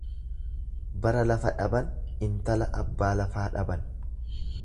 Bara lafa dhaban intala abbaa lafaa dhaban.